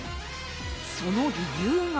その理由が。